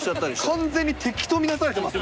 完全に敵と見なされてますね。